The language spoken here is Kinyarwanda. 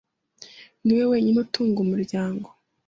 Niwe wenyine utunga umuryango.